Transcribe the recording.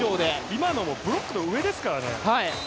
今のブロックの上ですからね。